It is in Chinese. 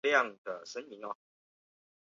高温时荧光迅速消失。